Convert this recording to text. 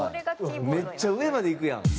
めっちゃ上までいくやん。